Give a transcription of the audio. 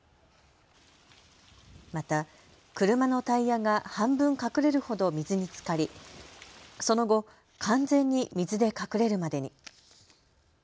また車のタイヤが半分隠れるほど水につかりその後、完全に水で隠れるまでに。